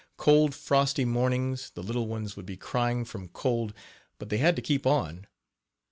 Cold, frosty mornings, the little ones would be crying from cold; but they had to keep on.